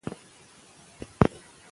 زه هره ورځ د سهار وخت شیدې څښم.